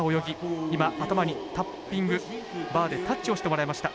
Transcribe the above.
今頭にタッピングバーでタッチをしてもらいました。